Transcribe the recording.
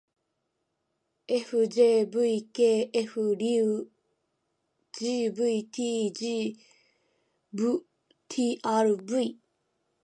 ｆｊｖｋｆ りう ｇｖｔｇ ヴ ｔｒ ヴぃ ｌ